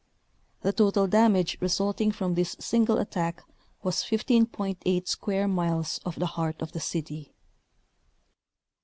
The total damage result ing from this single attack was 15.8 square miles of the heart of the city.